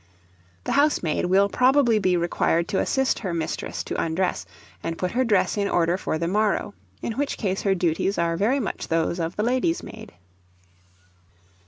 The housemaid will probably be required to assist her mistress to undress and put her dress in order for the morrow; in which case her duties are very much those of the lady's maid.